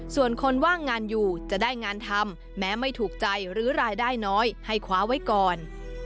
ส่วนคนว่างงานอยู่จะได้งานทำแม้ไม่ถูกใจหรือรายได้น้อยให้คว้าไว้ก่อน